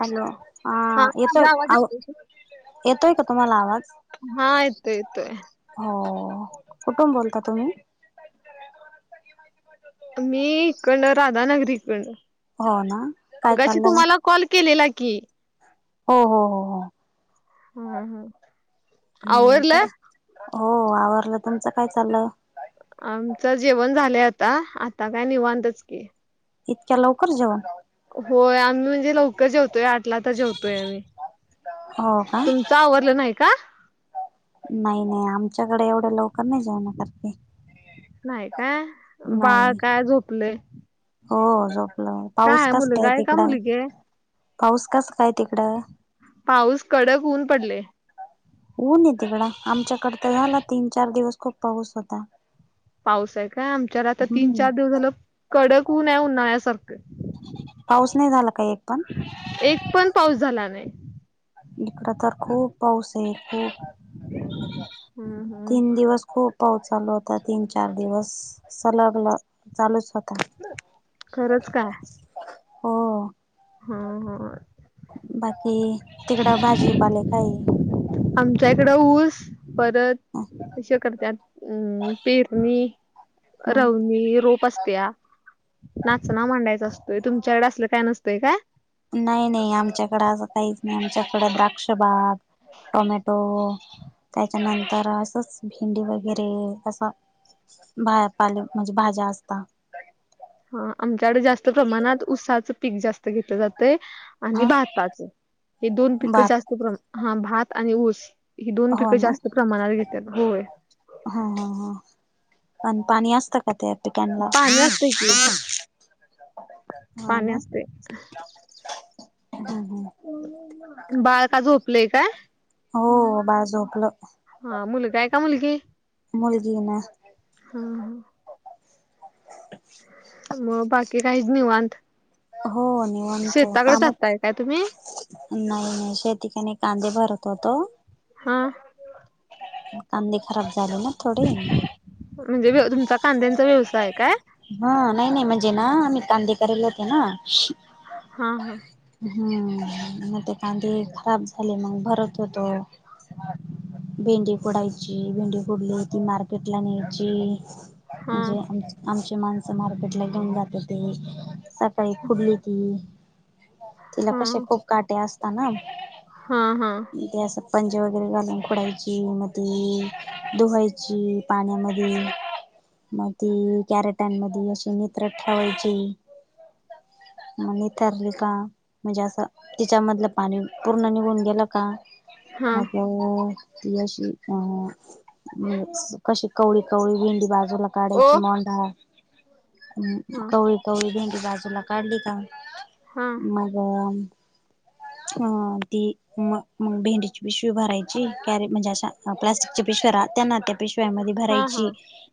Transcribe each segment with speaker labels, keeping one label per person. Speaker 1: Hello हा येतोय
Speaker 2: माझा आवाज
Speaker 1: आ
Speaker 2: येतोय
Speaker 1: येतोय का तुम्हाला आवाज
Speaker 2: हा आयत ययतो
Speaker 1: हो कुठून बोलता तुम्ही
Speaker 2: मी इकडन राधानगरी
Speaker 1: हो ना काय
Speaker 2: इकडनगशी
Speaker 1: चाललंय
Speaker 2: तुम्हाला कॉल केले ला की
Speaker 1: हो हो हो हो
Speaker 2: हा हा
Speaker 1: हम्
Speaker 2: आवरलं
Speaker 1: हो आवरवरलं तुमच काय चाललं
Speaker 2: आमचं जेवण झालंय आता आता काय निवांतच की
Speaker 1: इतक्या लवकर जेवण
Speaker 2: होय आम्ही म्हणजे लवकर जेवतोय आठला तर जेवतोय आम्ही
Speaker 1: हो का
Speaker 2: तुमच आवरलं नाही का
Speaker 1: नाही नाही आमच्याकडे एवढे लवकर नाही जेवणा करते
Speaker 2: नाही काय बाळ
Speaker 1: नाही
Speaker 2: काय झोपलेय
Speaker 1: हो झोपलं पाऊस कस
Speaker 2: मुलगा
Speaker 1: कायय
Speaker 2: आहे का
Speaker 1: तिकड
Speaker 2: मुलगी आहे
Speaker 1: पाऊस कस काय तिकडं
Speaker 2: पाऊस कडक होऊन पडले
Speaker 1: होऊन तिकड आमच्याकड तर झाला तीन चार दिवस खूप पाऊस होता
Speaker 2: पाऊस आहे काय आमच्याला आता तीन
Speaker 1: हम्म
Speaker 2: चार दिवस झालं कडक होनय उन्हाळ्यासारखं
Speaker 1: पाऊस नाही झाला काही एक पण
Speaker 2: एक पण पाऊस झाला नाही
Speaker 1: इकडं तर खूप पाऊस आहे खूप
Speaker 2: हम्म हम्म
Speaker 1: तीन दिवस खूप पाऊस चालू होता तीन चार दिवस सलगला चालू स्वतः
Speaker 2: खरंच काय
Speaker 1: हो
Speaker 2: हा हा
Speaker 1: बाकी तिकडं भाजीपाले काही.
Speaker 2: आमच्या इकडं ऊस परत अे करत अम पेरणी
Speaker 1: हम्म
Speaker 2: रवनी रोप असत्या. नाचं ना मांडायचं असतंय तुमच्याकडे असलं काय नसतंय काय?
Speaker 1: नाही नाही आमच्याकडें असं काहीच नाही आमच्याकडें द्राक्ष बाग. टोमॅटो त्याच्यानंतर असंच भेंडी वगैरे असं. भा पाले म्हणजे भाज्या असता.
Speaker 2: ह आमच्याकडे जास्त प्रमाणात ऊसाचं पीक जास्त घेतलं जातय. आणि
Speaker 1: हा
Speaker 2: भाताचे हे दोन पिक
Speaker 1: भात
Speaker 2: जास्त प्रमाण हा भात आणि ऊस ही दोन
Speaker 1: हो
Speaker 2: पिकं
Speaker 1: ना
Speaker 2: जास्त प्रमाणात घेतात होय.
Speaker 1: हा ह ह आणि पाणी असत का त्यात. क ह
Speaker 2: पाणी असतंय की पाणी
Speaker 1: ना.
Speaker 2: असतंय
Speaker 1: हम हम.
Speaker 2: बाळ का झोपलंय काय?
Speaker 1: हो बाहे झोपलं.
Speaker 2: हा मुलगा आहे का मुलगी?
Speaker 1: मुलगी ना.
Speaker 2: हा हा. मग बाकी काहीच निवांत
Speaker 1: हो.
Speaker 2: शेताकडे
Speaker 1: कामच
Speaker 2: जाताय काय तुम्ही?
Speaker 1: नाही नाही शेतीकणी कांदे भरत होतो.
Speaker 2: हा.
Speaker 1: कांदी खराब झाली ना थोडी.
Speaker 2: म्हणजे तुमचा कांद्यांचा व्यवसाय काय?
Speaker 1: हा नाही नाही म्हणजे ना आम्ही कांदे कयले होते ना.
Speaker 2: हा हा.
Speaker 1: हम्म ते कांदे खराब झाले मग भरत होतो. भेंडी फोडायची भेंडी फुडली ती मार्केटला न्यायची म्हणजे आमची माणसं मार्केट ला घेऊन जात ते सकाळी खुडली ती. तिला
Speaker 2: हा
Speaker 1: कसे खूप काटे असत ना.
Speaker 2: हम् हम्म.
Speaker 1: ते असं पंजे वगैरे घालून खोडायची मध्ये धुवायची. पाण्यामध्ये मग ती कॅरेटांमध्ये असशी नेत्र ठेवायचे. मनी तरली. का म्हणजे असं तिच्या मधलं पाणी पूर्ण निघून गेलं का?
Speaker 2: हा
Speaker 1: हो अशी अ कशी कवळी कवळी भेंडी बाजू लाग
Speaker 2: ओ
Speaker 1: काढायची मोंढा
Speaker 2: हा
Speaker 1: कवळी कवळी भेडी बाजूला काढली का?
Speaker 2: हा.
Speaker 1: मग? अ ती मग मग भेंडीची पिशवी भरायची कॅरी म्हणजे अशा प्लास्टिकची पिशवी्या राह त्यांना शिवाय म
Speaker 2: हा हा
Speaker 1: भरायची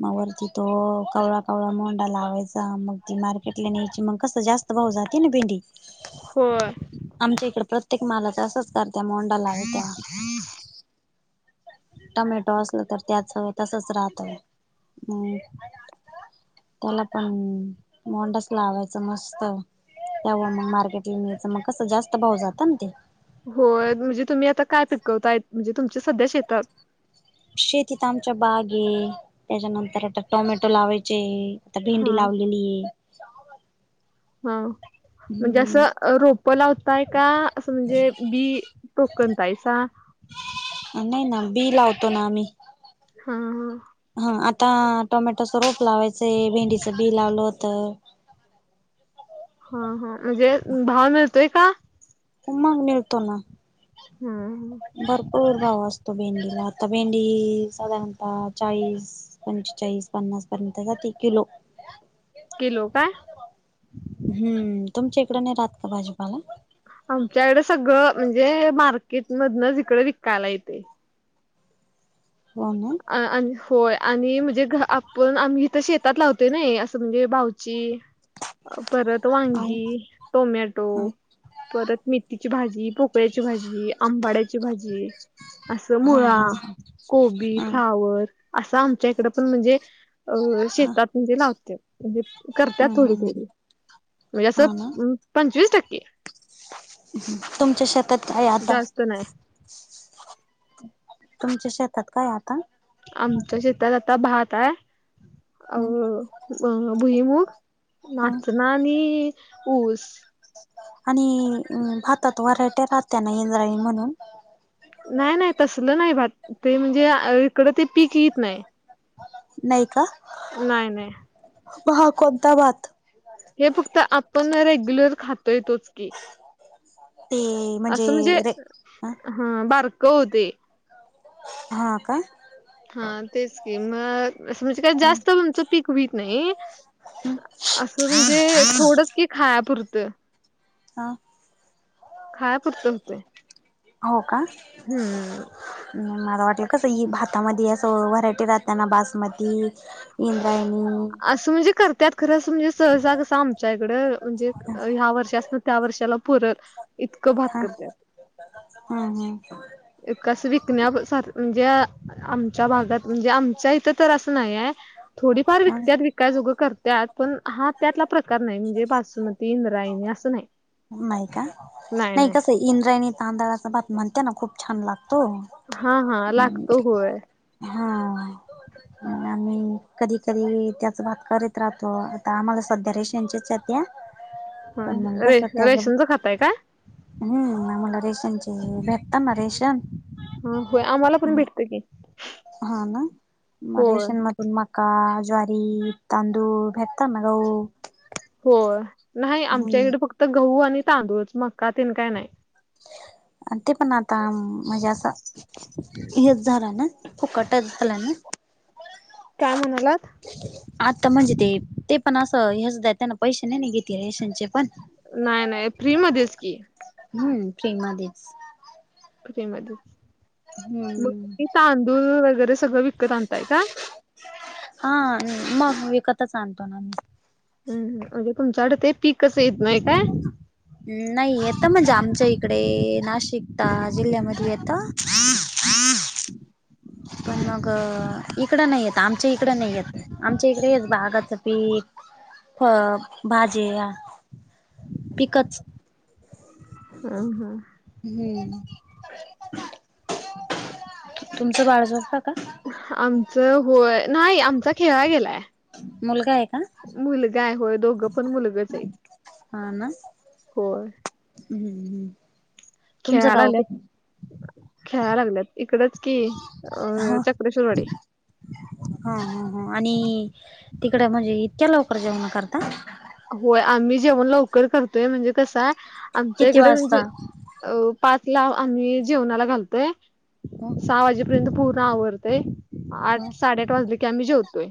Speaker 1: मग वरती तो कवळा कवळा मोंडा लावायचा मग. मार्केटला न्यायची मग कसं जास्त भाव जाते ना भेंडी
Speaker 2: हो.
Speaker 1: आमच्या इकडे प्रत्येक माला तर असंच करत मोंडा लावे तेव्हा टमॅटो असल तर त्याच ह तसच राहतम् त्याला पण मोल्डस लावायच मस्त त्या मार्केट ला मिळच मग कस जास्त भाव जात ना ते.
Speaker 2: हो म्हणजे तुम्ही आता काय पिकवताय म्हणजे तुमच्या सध्या शेतात.
Speaker 1: शेतीत आमच्या बाग आहे त्याच्यानंतर आता टोमॅटो लावायचे आहे. आता
Speaker 2: हा
Speaker 1: भेंडी लावलेली आहे.
Speaker 2: हा. म्हणजे
Speaker 1: हम्म
Speaker 2: असं रोपं लावताय का असं म्हणजे बी टोकनतायसा
Speaker 1: नाही ना बी लावतो ना आम्ही
Speaker 2: हा.
Speaker 1: हा आता टोमॅटोच रोप लावायचंय भेंडीचं बी लावलं होत.
Speaker 2: हा हा म्हणजे भाव मिळतोय का?
Speaker 1: उुम्हाग नितो ना.
Speaker 2: हम.
Speaker 1: भरपूर भाव असतो भेंडीला आता भेंडी साधारणत चाळीस कोचास पन्नास पर्यंत क त किलो
Speaker 2: केलो काय?
Speaker 1: हम्म तुमच्या इकडे नाही राहत का भाजीपाला
Speaker 2: आमच्याकडें सगळं म्हणजे मार्केटमधून इकडे विकायला येते.
Speaker 1: हो ना.
Speaker 2: अ आणि होय आणि म्हणजे घ आपण आम्ही इथं शेतात लावतो नाही असं म्हणजे भाऊची
Speaker 1: [unintelligible]
Speaker 2: परत
Speaker 1: हा
Speaker 2: वांगी टोमॅटो
Speaker 1: हा
Speaker 2: परत मथीची भाजी पोक कपऱ्याची भाजी आंबाड्याची भाजी असं
Speaker 1: हा
Speaker 2: मुळा
Speaker 1: हा हा
Speaker 2: कोबी
Speaker 1: हा
Speaker 2: वर असं आमच्या इकड पण म्हणजे
Speaker 1: हा
Speaker 2: शेतात म्हणजे लावते. म्हणजे करत
Speaker 1: हा
Speaker 2: थोडी
Speaker 1: हा
Speaker 2: थोडी म्हणजे
Speaker 1: हा ना
Speaker 2: असं पंचवीस टक्के.
Speaker 1: तुमच्या शेतात काय आता
Speaker 2: जास्त नाही आहे.
Speaker 1: तुमच्या शेतात काय आता
Speaker 2: आमच्या शेतात आता भात आहे. अ
Speaker 1: हम्
Speaker 2: भुई मूग
Speaker 1: हम
Speaker 2: नाचना आणि ऊस
Speaker 1: आणि भातात वऱयट्या राहत्याना येंद्राणी म्हणून
Speaker 2: नाही नाही तसलं नाही भ ते म्हणजे इकड ते पीक येत नाही.
Speaker 1: नाही का?
Speaker 2: नाही नाही.
Speaker 1: महाकंद वाद.
Speaker 2: हे फक्त आपण रेग्युलर खातो येतोच की
Speaker 1: ते
Speaker 2: असं म्हणजे
Speaker 1: रे ह
Speaker 2: हा बारक होते.
Speaker 1: हा का?
Speaker 2: हा तेच की मग म्हणजे काय जास्त
Speaker 1: ह
Speaker 2: म्हणच पीक बत नाही. असं म्हणजे थोड क खायापुरतं
Speaker 1: हा.
Speaker 2: खायपुरत होते.
Speaker 1: हो का.
Speaker 2: हम्.
Speaker 1: माझं हॉटेल कसं ह भातामध्ये असं व्हरायटी राहताना बासमती निंदय म
Speaker 2: असं म्हणजे करतत खरं असं म्हणजे सहजग असं आमच्या इकडं म्हणजे ह्या वर्षी त्या वर्षाला पुर इतकं भात करत.
Speaker 1: हम.
Speaker 2: कस विकण्याार म्हणजे आमच्या भागात म्हणजे आमच्या इथं तर असं नाही आहे थोडीफार
Speaker 1: हम् हम
Speaker 2: विकत विकयजोगं करतात. पण हा त्यातला प्रकार नाही म्हणजे बासुमती इंद्रायणी असं नाही.
Speaker 1: नाई का?
Speaker 2: नाही
Speaker 1: नाई
Speaker 2: नाही
Speaker 1: कसं ए... इंद्रायणी तांदळाचा भात म्हणते ना... खूप छान लागतो
Speaker 2: हा हा... लागतो होय
Speaker 1: हा... आणि कधी कधी... त्याचा भात करीत राहतो, आता आम्हाला सध्या रेशनचेच येत्या
Speaker 2: हा... रे... रेशनचं खाताय काय?
Speaker 1: हुं... आम्हाला रेशनचे... भेटता ना रेशन
Speaker 2: होय आम्हाला [unintelligible]
Speaker 1: हा... ना... मग
Speaker 2: होय
Speaker 1: रेशन म मका, ज्वारी, तांदुळ भेटतं ना... गऊ
Speaker 2: होय... न्हाई.. आमच्या इकडं फक्त गहू आणि तांदूळच मक्का.. तेन काय नाय
Speaker 1: ते पण आता.. म्हणजे... असं हेच झालं ना? फुकटच झालं ना
Speaker 2: काय म्हणालात?
Speaker 1: आता म्हणजे ते... ते पण असं... हेच देत्या ना... पैशे नई ना घेत, राशनचे पण
Speaker 2: नाई नाई... फ्री मधेच की
Speaker 1: हम्म... फ्री मधेच.
Speaker 2: फ्री मधे
Speaker 1: होय.. होय.
Speaker 2: तांदूळ वगैरे... सगळं विकत आणताय का?
Speaker 1: हा... मग... विकतच आणतो ना आम्ही.
Speaker 2: हम्म... म्हणजे तुमच्याकडं ते पीकच येत नाय काय?
Speaker 1: हम्म... नाई... येतं म्हणजे आमच्या इकडं, नाशिक... ता.. जिल्ह्यामध्ये येतं. पण मग, इकडं नई येत, आमच्या इकडं नई येत. आमच्या इकडं हेच... बागाचं पीक, फळ... भाज्या पिकच
Speaker 2: हं... हं.
Speaker 1: हम्म... तुमचं, बाळ झोपतं का?
Speaker 2: आमचं होय... नाई... आमचा खेळाय गेलाय
Speaker 1: मुलगा ए का?
Speaker 2: मुलगा ए... होय, दोघं पण मुलगंच ए... होय.
Speaker 1: हम्म... हम्म. तुमचं
Speaker 2: खेळायला
Speaker 1: गाव कि
Speaker 2: आल्यात... खेळाय लागल्यात. इकडंच की... अ... चक्रशुरवाडी.
Speaker 1: हं... हं... हं... आणि, तिकडं म्हणजे इतक्या लवकर जेवणं करतात?
Speaker 2: होय... आम्ही जेवण लवकर करतोय, म्हणजे कसंय आमच्या
Speaker 1: किती
Speaker 2: इकडं म्हणजे
Speaker 1: वाजता
Speaker 2: अ... पाचला आम्ही जेवणाला घालतोय, सहा वाजे र्यंत पोरं आवरतेय, आठ साडेआठ वाजली की आम्ही जेवतोय.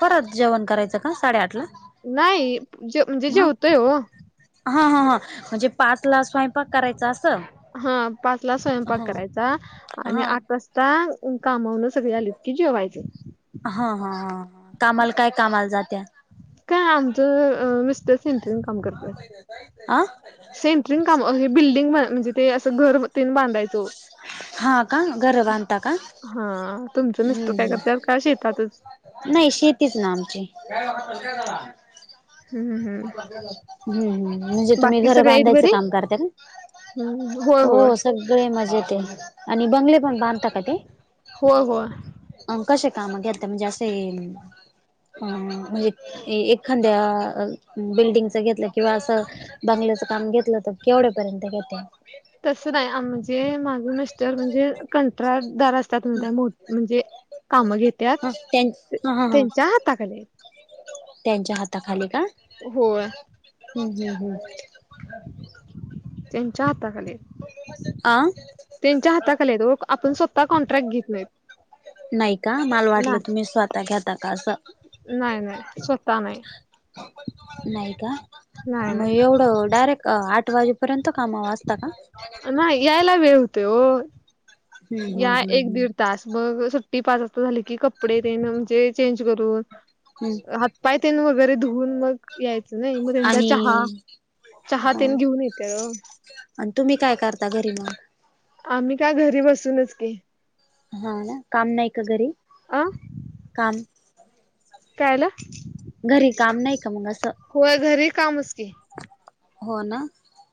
Speaker 1: परत जेवण करायचं का साडेआठला?
Speaker 2: नाई.... जे... म्हणजे जेवतोय हो.
Speaker 1: हा हा हां... म्हणजे पाचला स्वैपाक करायचा असं?
Speaker 2: हा... पाचला स्वयंपाक
Speaker 1: हा
Speaker 2: करायचा, आणि
Speaker 1: हा हा
Speaker 2: आठ वाजता कामाहून सगळी आलीत की जेवायचं.
Speaker 1: हा हा हं... कामाला काय, कामाला जात्या?
Speaker 2: काय आमचं... अ... मिस्टर सेंटरिंग काम करत्यात.
Speaker 1: अ
Speaker 2: सेंट्रिंग काम... अ... हे बिल्डिंग... ब, म्हणजे ते असं घर अन ते बांधायचं ओ
Speaker 1: हा का घर बांधता का
Speaker 2: हा... तुमचं मिस्टर काय करतात, की शेतातच?
Speaker 1: नाई, शेतीच ना आमची
Speaker 2: हुं.. हुं.. हुं.
Speaker 1: हम्म्... म्हणजे तुम्ही घरं
Speaker 2: सगळे आहेत
Speaker 1: बांधायचं
Speaker 2: बरे
Speaker 1: काम करत्या का?
Speaker 2: हम्म होय होय
Speaker 1: हो सगळे मजेत आणि बंगले पण बांधताात का ते
Speaker 2: हो हो
Speaker 1: अ कसे काम घेतात म्हणजे असे हा म्हणजे एखाद्या बिल्डिंगच घेतलं किंवा असं बांंगल्याच काम घेतलं तर केवढ्यापर्यंत घेते
Speaker 2: तस नाही म्हणजे माग नसत तर म्हणजे कंतट्राटदार असतात मोठ म्हणजे कामं घेत्यात
Speaker 1: ह ह हा
Speaker 2: च्याचा ताकले
Speaker 1: त्यांच्या हाताखाली का
Speaker 2: हो
Speaker 1: हम्म हम् हम्
Speaker 2: त्यांच्या हाताखाली
Speaker 1: अ
Speaker 2: त्यांच्या हाताखाली आपण स्वतः कॉन्ट्रॅक्ट घेत नाहीत
Speaker 1: नाही का मला
Speaker 2: नाय.
Speaker 1: वाटलं तुम्ही स्वतः घेता का असं
Speaker 2: नाही नाही स्वतः नाही
Speaker 1: नाही का
Speaker 2: नाही नाही
Speaker 1: मो डायरेक्ट आठ वाजेपर्यंत कामा वाजता का
Speaker 2: ना यायला वेळ होते हो
Speaker 1: हम्म
Speaker 2: या
Speaker 1: हम्म हम्म
Speaker 2: एक
Speaker 1: हम्म
Speaker 2: दीड तास मग सुट्टी पाच वाजता झाली की कपडे देणं म्हणजे चेंज करून
Speaker 1: हम्
Speaker 2: हातपाय तेन वगैरे धुवून मग यायचं नाही मग त्यांचा
Speaker 1: आणि
Speaker 2: चहा चहा
Speaker 1: ह
Speaker 2: तेनी घेऊन येते र
Speaker 1: आणि तुम्ही काय करता घरी म
Speaker 2: आम्ही का घरी बसूनच की
Speaker 1: हा ना काम नाही का घरी
Speaker 2: अ
Speaker 1: काम
Speaker 2: कायला
Speaker 1: घरी काम नाही का मग असं
Speaker 2: होय घरी कामस क
Speaker 1: हो ना